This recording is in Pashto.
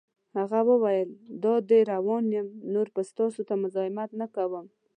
هغه وویل: دادی روان یم، نور به ستاسو ته مزاحمت نه کوم.